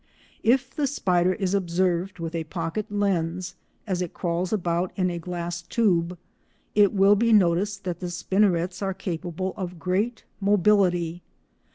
If the spider is observed with a pocket lens as it crawls about in a glass tube it will be noticed that the spinnerets are capable of great mobility.